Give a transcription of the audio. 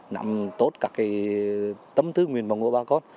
nằm tốt các tấm thương nguyện vào ngôi bà con